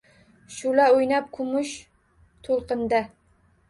Shu’la o’ynab kumush to’lqinda